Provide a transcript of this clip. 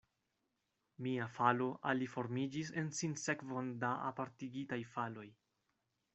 Mia falo aliformiĝis en sinsekvon da apartigitaj faloj.